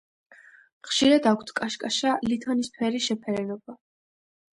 ხშირად აქვთ კაშკაშა ლითონისებრი შეფერილობა.